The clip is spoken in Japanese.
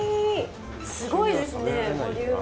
すごいですね、ボリューム。